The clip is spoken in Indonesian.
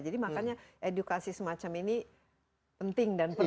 jadi makanya edukasi semacam ini penting dan perlu ya iya